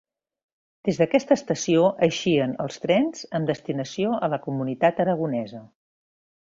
Des d'aquesta estació eixien els trens amb destinació a la comunitat aragonesa.